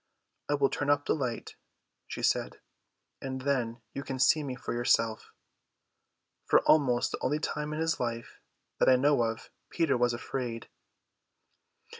"I will turn up the light," she said, "and then you can see for yourself." For almost the only time in his life that I know of, Peter was afraid.